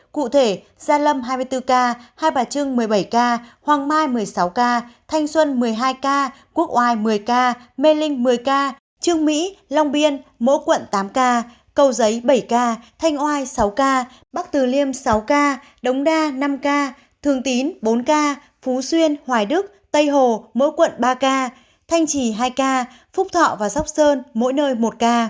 cụ thể gia lâm hai mươi bốn ca hai bà trưng một mươi bảy ca hoàng mai một mươi sáu ca thanh xuân một mươi hai ca quốc oai một mươi ca mê linh một mươi ca trương mỹ long biên mỗi quận tám ca cầu giấy bảy ca thanh oai sáu ca bắc từ liêm sáu ca đống đa năm ca thường tín bốn ca phú xuyên hoài đức tây hồ mỗi quận ba ca thanh trì hai ca phúc thọ và sóc sơn mỗi nơi một ca